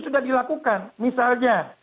sudah dilakukan misalnya